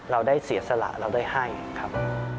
เราได้เสียสละเราได้ให้ครับ